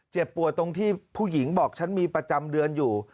เจ็บปวดตรงที่ผู้หญิงบอกฉันมีประจำเดือนอยู่